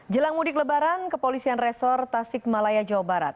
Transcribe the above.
jelang mudik lebaran kepolisian resor tasik malaya jawa barat